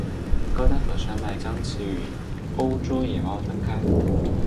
高加索山脉将其与欧洲野猫分开。